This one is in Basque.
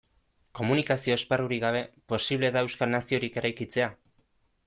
Komunikazio esparrurik gabe, posible da euskal naziorik eraikitzea?